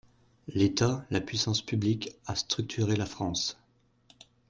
L’État – la puissance publique – a structuré la France.